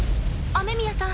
雨宮さん